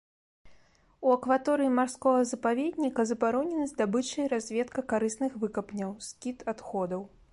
У акваторыі марскога запаведніка забаронены здабыча і разведка карысных выкапняў, скід адходаў.